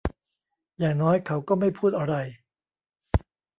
อย่างน้อย เขาก็ไม่พูดอะไร